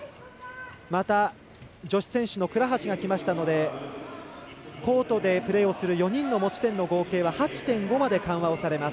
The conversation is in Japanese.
また女子選手の倉橋がきましたのでコートでプレーをする４人の持ち点は８．５まで緩和をされます。